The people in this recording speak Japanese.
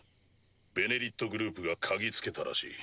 「ベネリット」グループが嗅ぎつけたらしい。